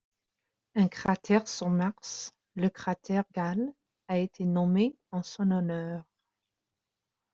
Un cratère sur Mars, le cratère Gale, a été nommé en son honneur.